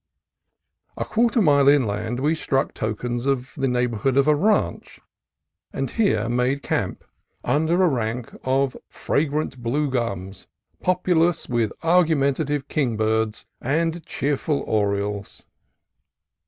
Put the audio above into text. A quarter mile inland we struck tokens of the neighborhood of a ranch, and here made camp under a rank of fragrant 18 CALIFORNIA COAST TRAILS blue gums populous with argumentative kingbirds and cheerful orioles.